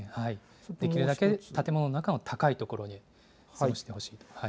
できるだけ建物の中の高い所に避難してほしいですね。